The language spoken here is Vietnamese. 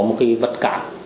một cái vật cản